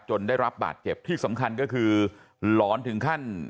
ได้รับบาดเจ็บที่สำคัญก็คือหลอนถึงขั้น